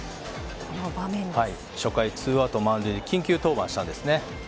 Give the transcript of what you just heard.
初回、ツーアウト、満塁で緊急登板したんですね。